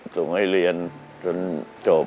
ส่งให้เรียนจนจบ